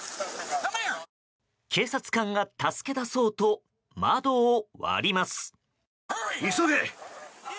警察官が助け出そうと窓を割ります。